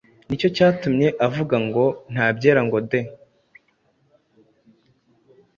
Nicyo cyatumye avuga ngo «Ntabyera ngo de!»